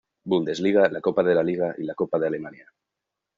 Bundesliga, la Copa de la Liga y la Copa de Alemania.